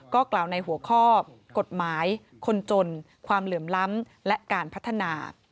ก็กล่าวในหัวข้อกฎหมายคนจนความเหลื่อมล้ำและการพัฒนา